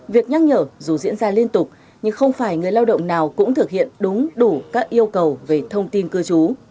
việc nhắc nhở dù diễn ra liên tục nhưng không phải người lao động nào cũng thực hiện đúng đủ các yêu cầu về thông tin cư trú